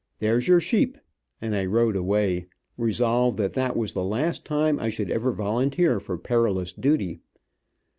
There's your sheep," and I rode away, resolved that that was the last time I should ever volunteer for perilous duty.